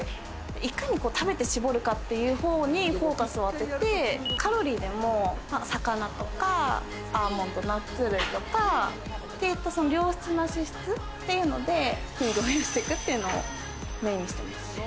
いかに食べて絞るかっていうほうにフォーカスを当ててカロリーでも魚とかアーモンドナッツ類とか良質な脂質っていうので筋肉を増やしてくっていうのをメインにしています。